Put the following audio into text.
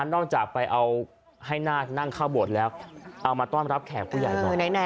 นอกจากไปเอาให้นาคนั่งเข้าโบสถ์แล้วเอามาต้อนรับแขกผู้ใหญ่หน่อย